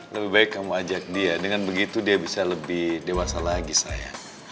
lebih baik kamu ajak dia dengan begitu dia bisa lebih dewasa lagi saya